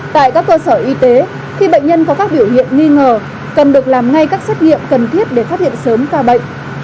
tại các cơ sở y tế khi bệnh nhân có các biểu hiện nghi ngờ cần được làm ngay các xét nghiệm cần thiết để phát hiện sớm ca bệnh